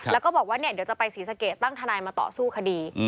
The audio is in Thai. แล้วก็บอกว่าเดี๋ยวจะไปศรีสะเกดตั้งทนายมาต่อสู้คดี